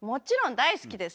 大好きです。